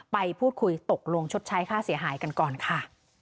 ไปพูดคุยตกลงชดใช้ค่าเสียหายกันก่อนค่ะ